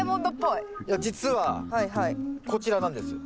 いや実はこちらなんです。